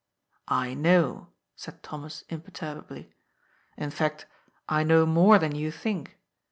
"I know," said Thomas imperturbably. "In fact, I know more than you think.